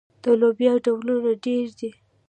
د لوبیا ډولونه ډیر دي.